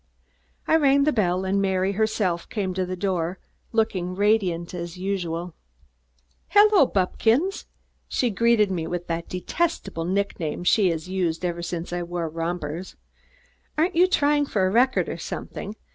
I rang the bell and Mary, herself, came to the door, looking radiant as usual. "Hello, Buppkins!" She greeted me with that detestable nick name she has used since I wore rompers. "Aren't you trying for a record or something?